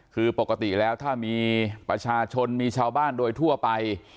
คือปกติแล้วถ้ามีประชาชนมีชาวบ้านโดยทั่วไป